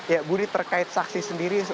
ya budi terkait saksi sendiri